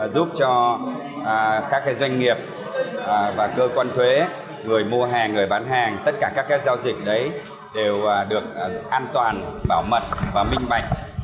giúp cho các doanh nghiệp và cơ quan thuế người mua hàng người bán hàng tất cả các giao dịch đấy đều được an toàn bảo mật và minh bạch